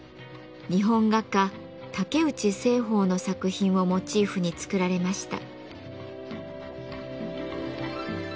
日本画家竹内栖鳳の作品をモチーフに作られました。